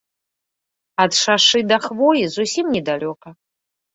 Ад шашы да хвоі зусім недалёка.